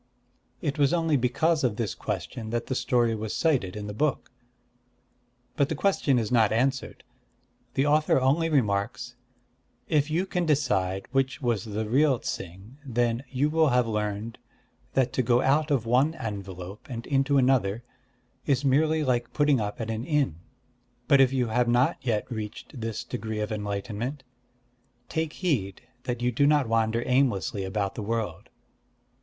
_"' It was only because of this question that the story was cited in the book. But the question is not answered. The author only remarks: 'If you can decide which was the real Ts'ing, then you will have learned that to go out of one envelope and into another is merely like putting up at an inn. But if you have not yet reached this degree of enlightenment, take heed that you do not wander aimlessly about the world.